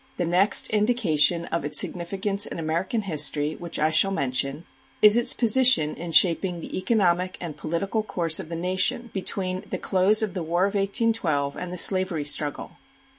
The next indication of its significance in American history which I shall mention is its position in shaping the economic and political course of the nation between the close of the War of 1812 and the slavery struggle.